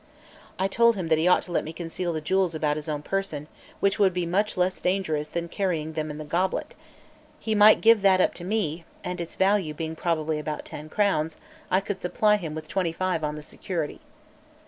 I told him that he ought to let me conceal the jewels about his own person, which would be much less dangerous than carrying them in the goblet; he might give that up to me, and, its value being probably about ten crowns, I would supply him with twenty five on the security.